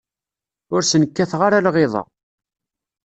Ur sen-kkateɣ ara lɣiḍa.